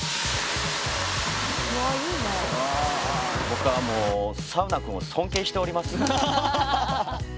僕はもうサウナくんを尊敬しております。